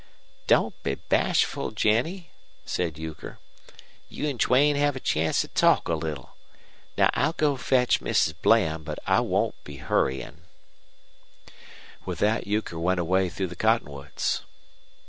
"Don't be bashful, Jennie," said Euchre. "You an' Duane have a chance to talk a little. Now I'll go fetch Mrs. Bland, but I won't be hurryin'." With that Euchre went away through the cottonwoods.